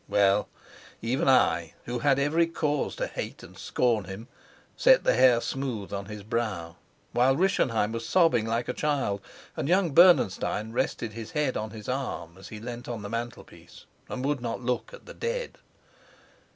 Well, even I, who had every good cause to hate and scorn him, set the hair smooth on his brow; while Rischenheim was sobbing like a child, and young Bernenstein rested his head on his arm as he leant on the mantelpiece, and would not look at the dead.